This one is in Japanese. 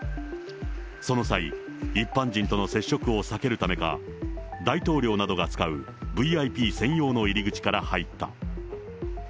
その際、一般人との接触を避けるためか、大統領などが使うＶＩＰ専用の入り口から入った。